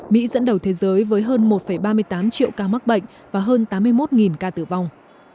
mỹ dẫn đầu thế giới với hơn một ba mươi tám triệu ca mắc bệnh và hơn tám mươi một ca tử vong